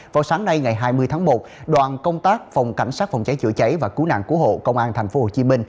vào sáng nay ngày hai mươi tháng một đoàn công tác cảnh sát phòng cháy chữa cháy và cú nạn cú hộ công an tp hcm